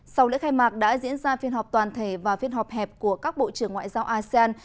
sau lễ khai mạc đã diễn ra phiên họp toàn thể và phiên họp hẹp của các bộ trưởng ngoại giao asean